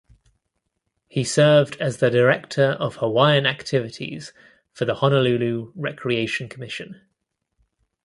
He served as the Director of Hawaiian Activities for the Honolulu Recreation Commission.